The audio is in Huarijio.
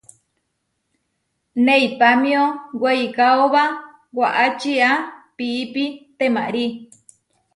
Neipámio weikaóba waʼá čiá piipi temári.